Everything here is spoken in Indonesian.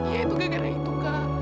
ya itu kegagalan itu kak